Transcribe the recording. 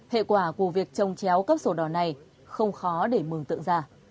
hệ quả của việc trông chéo cấp sổ đòn này không khó để mừng tượng ra